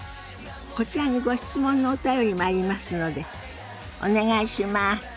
こちらにご質問のお便りもありますのでお願いします。